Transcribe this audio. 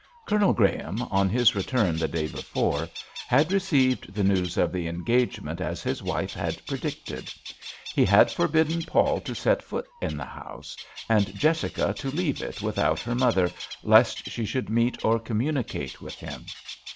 Colonel Graham, on his return the day before, had received the news of the engage ment as his wife had predicted. He had forbidden Paul to set foot in the house, and Jessica to leave it without her mother lest she should meet or communicate with him.